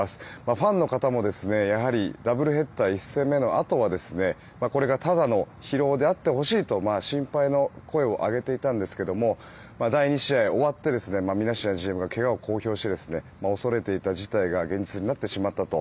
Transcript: ファンの方もやはりダブルヘッダー１戦目のあとはこれが、ただの疲労であってほしいと心配の声を上げていたんですけども第２試合終わってミナシアンＧＭがけがを公表して恐れていた事態が現実になってしまったと。